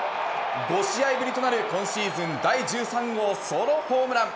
５試合ぶりとなる、今シーズン第１３号ソロホームラン。